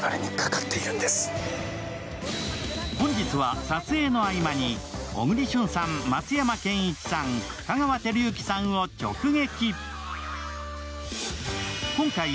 本日は撮影の合間に小栗旬さん、松山ケンイチさん、香川照之さんを直撃。